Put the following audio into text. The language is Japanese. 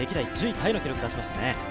タイの記録を出しましたね。